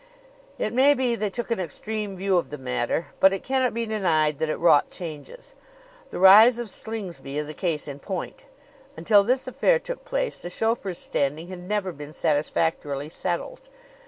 It may be they took an extreme view of the matter, but it cannot be denied that it wrought changes. The rise of Slingsby is a case in point. Until this affair took place the chauffeur's standing had never been satisfactorily settled.